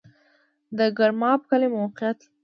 د ګرماب کلی موقعیت